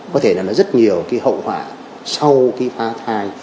có thể là nó rất nhiều cái hậu quả sau cái phá thai